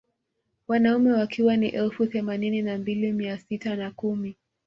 Wanaume wakiwa ni elfu themanini na mbili mia sita na kumi